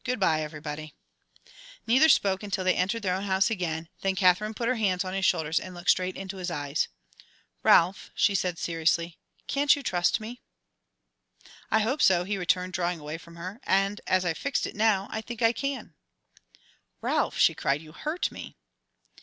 "Good bye, everybody." Neither spoke until they entered their own house again, then Katherine put her hands on his shoulders and looked straight into his eyes. "Ralph," she said, seriously, "can't you trust me?" "I hope so," he returned, drawing away from her, "and as I've fixed it now, I think I can." "Ralph!" she cried, "you hurt me!"